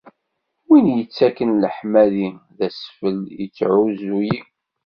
Win yettaken leḥmadi d asfel, ittɛuzzu-yi.